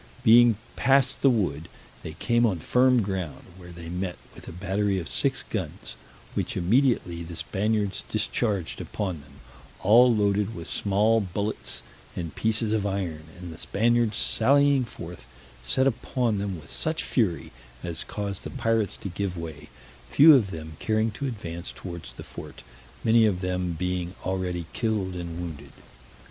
Being passed the wood, they came on firm ground, where they met with a battery of six guns, which immediately the Spaniards discharged upon them, all loaded with small bullets and pieces of iron; and the Spaniards sallying forth, set upon them with such fury, as caused the pirates to give way, few of them caring to advance towards the fort, many of them being already killed and wounded.